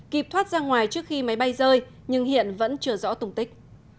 kịp thoát ra ngoài trước khi máy bay rơi nhưng hiện vẫn chưa rõ tùng tích